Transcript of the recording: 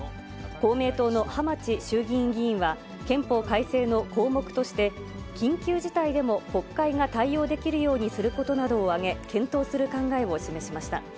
公明党の浜地衆議院議員は、憲法改正の項目として、緊急事態でも国会が対応できるようにすることなどを挙げ、検討する考えを示しました。